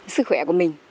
sức khỏe của mình